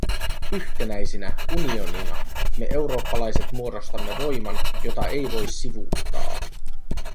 Yhtenäisinä, unionina, me eurooppalaiset muodostamme voiman, jota ei voi sivuuttaa.